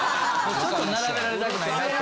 ちょっと並べられたくないなと。